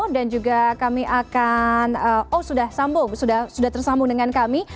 dan juga kami akan oh sudah sambung sudah tersambung dengan kami